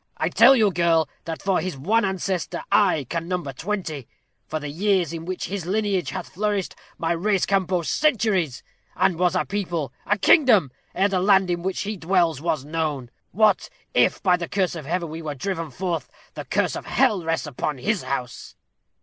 I tell you, girl, that for his one ancestor I can number twenty; for the years in which his lineage hath flourished, my race can boast centuries, and was a people a kingdom! ere the land in which he dwells was known. What! if, by the curse of Heaven, we were driven forth, the curse of hell rests upon his house."